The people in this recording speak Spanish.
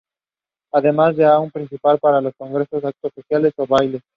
Además, de un hall principal para congresos, actos sociales o bailes.